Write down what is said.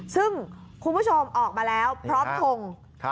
ซึ่งคุณผู้ชมออกมาแล้วพร้อมทง